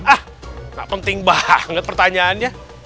ah gak penting banget pertanyaannya